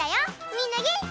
みんなげんき？